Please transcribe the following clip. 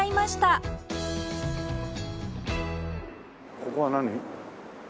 ここは何？